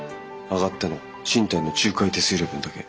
上がったのは賃貸の仲介手数料分だけ。